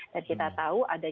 dan kita tahu